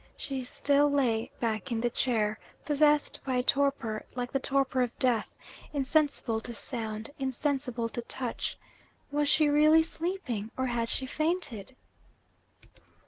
She still lay back in the chair, possessed by a torpor like the torpor of death insensible to sound, insensible to touch. Was she really sleeping? Or had she fainted?